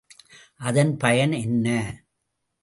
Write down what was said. அதன் பயன் என்ன?